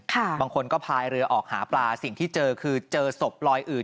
บางคนก็พายเรือออกหาปลาสิ่งที่เจอคือเจอศพลอยอื่น